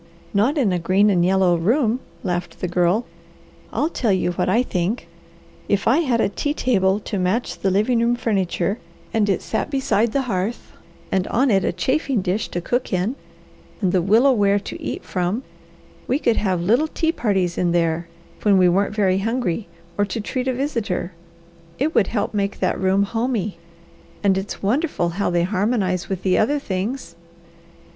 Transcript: "Not in a green and yellow room," laughed the Girl. "I'll tell you what I think. If I had a tea table to match the living room furniture, and it sat beside the hearth, and on it a chafing dish to cook in, and the willow ware to eat from, we could have little tea parties in there, when we aren't very hungry or to treat a visitor. It would help make that room 'homey,' and it's wonderful how they harmonize with the other things."